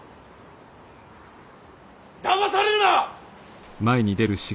だまされるな！